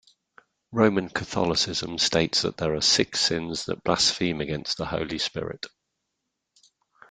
Roman Catholicism states that there are six sins that blaspheme against the Holy Spirit.